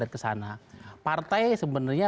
ke sana partai sebenarnya